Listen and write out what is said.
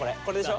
これ。